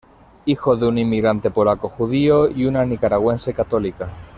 Hijo de un inmigrante polaco judío y una nicaragüense católica.